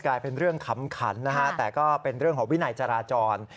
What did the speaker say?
เป็นเรื่องขำขันนะฮะแต่ก็เป็นเรื่องของวินัยจราจร